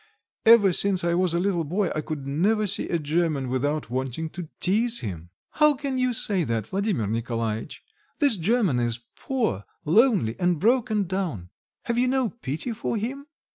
Ever since I was a little boy I could never see a German without wanting to teaze him." "How can you say that, Vladimir Nikolaitch? This German is poor, lonely, and broken down have you no pity for him?